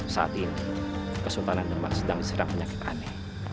saat ini kesultanan demak sedang diserang penyakit aneh